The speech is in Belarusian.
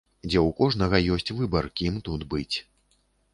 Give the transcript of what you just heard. Дзе ў кожнага ёсць выбар кім тут быць.